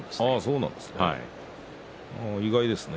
そうなんですね